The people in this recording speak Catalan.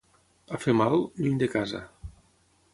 A fer mal, lluny de casa.